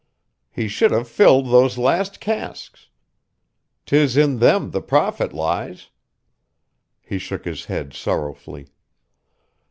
He should have filled those last casks. 'Tis in them the profit lies." He shook his head sorrowfully.